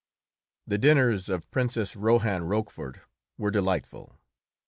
The dinners of Princess Rohan Rochefort were delightful.